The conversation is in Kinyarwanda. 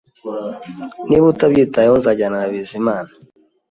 Niba utabyitayeho, nzajyana na Bizimana